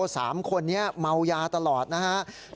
๓คนนี้เมายาตลอดนะครับ